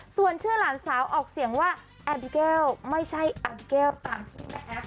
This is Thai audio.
ส่วนชื่อหลานสาวออกเสียงว่าแอบิเกลล์ไม่ใช่แอบิเกลล์ตามผิงแม็กซ์